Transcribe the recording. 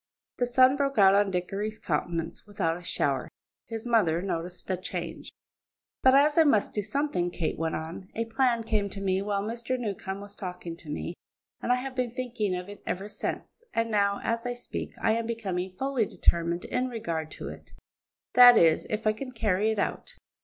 The sun broke out on Dickory's countenance without a shower; his mother noticed the change. "But as I must do something," Kate went on, "a plan came to me while Mr. Newcombe was talking to me, and I have been thinking of it ever since, and now, as I speak, I am becoming fully determined in regard to it; that is, if I can carry it out.